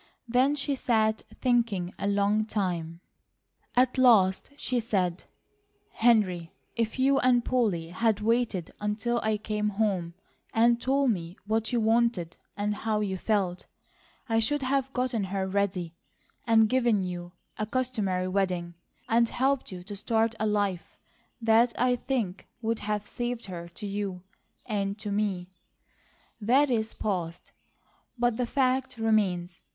Then she sat thinking a long time. At last she said: "Henry, if you and Polly had waited until I came home, and told me what you wanted and how you felt, I should have gotten her ready, and given you a customary wedding, and helped you to start a life that I think would have saved her to you, and to me. That is past, but the fact remains.